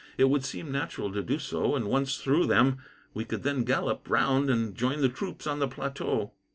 It would seem natural to do so, and once through them, we could then gallop round and join the troops on the plateau."